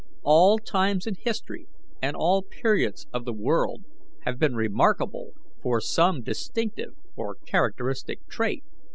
All times in history and all periods of the world have been remarkable for some distinctive or characteristic trait.